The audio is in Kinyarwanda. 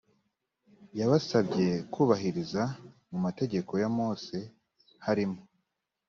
yabasabye kubahiriza mu mategeko ya mose harimo